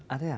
à thế à